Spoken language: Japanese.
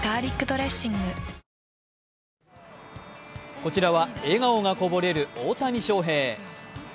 こちらは笑顔がこぼれる大谷翔平。